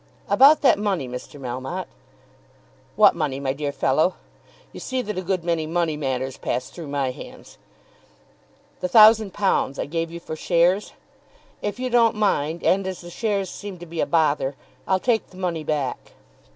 "About that money, Mr. Melmotte?" "What money, my dear fellow? You see that a good many money matters pass through my hands." "The thousand pounds I gave you for shares. If you don't mind, and as the shares seem to be a bother, I'll take the money back."